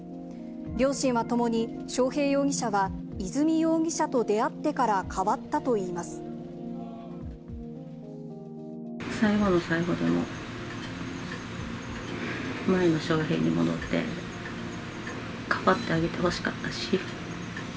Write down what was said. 両親はともに、章平容疑者は和美容疑者と出会ってから変わったと最後の最後でも、前の章平に戻って、かばってあげてほしかったし。